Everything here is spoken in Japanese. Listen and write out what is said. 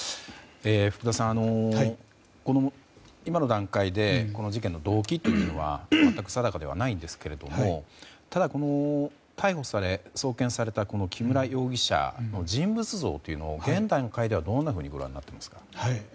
福田さん、今の段階でこの事件の動機というのは全く定かではないんですがただ、逮捕され送検された木村容疑者の人物像というのを現段階でどんなふうにご覧になっていますか。